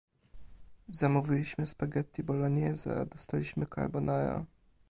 Zamówiliśmy spaghetti bolognese a dostaliśmy carbonara.